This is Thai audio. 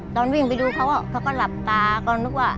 ตอนวิ่งไปดูเขาเขาก็หลับตาก็นึกว่า